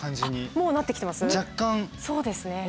若干なってきてますね。